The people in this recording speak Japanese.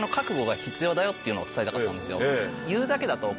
っていうのを伝えたかったんですよ。